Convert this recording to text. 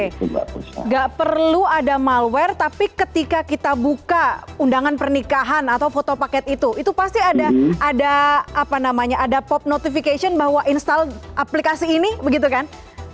tidak perlu ada malware tapi ketika kita buka undangan pernikahan atau foto paket itu itu pasti ada pop notification bahwa install aplikasi ini begitu kan